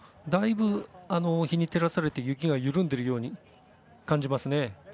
だいぶ日に照らされて雪が緩んでいるように感じますね。